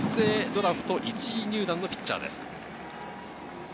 ドラフト１位入団のピッチャーです。